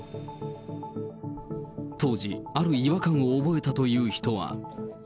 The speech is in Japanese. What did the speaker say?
当時、ある違和感を覚えたという人は。